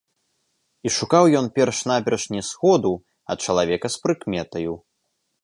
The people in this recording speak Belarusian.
І шукаў ён перш-наперш не сходу, а чалавека з прыкметаю.